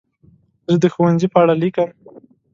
زه د ښوونځي په اړه لیکم.